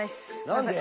何で？